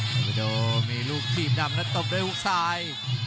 กับโหวมีลูกขือดำและตกไปหุบซ้าย